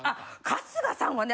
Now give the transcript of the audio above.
春日さんはね